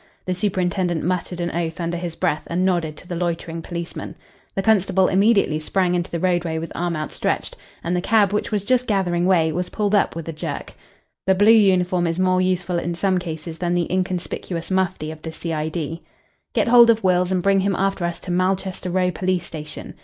The superintendent muttered an oath under his breath and nodded to the loitering policeman. The constable immediately sprang into the roadway with arm outstretched, and the cab, which was just gathering way, was pulled up with a jerk. The blue uniform is more useful in some cases than the inconspicuous mufti of the C.I.D. "Get hold of Wills and bring him after us to Malchester Row Police Station."